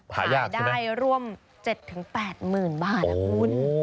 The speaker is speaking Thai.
หายได้ร่วม๗๘หมื่นบาทอะคุณ